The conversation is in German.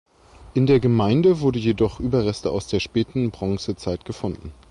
In der Gemeinde wurden jedoch Überreste aus der späten Bronzezeit gefunden.